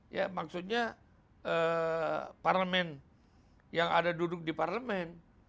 ya maksudnya parlement yang ada duduk di parlement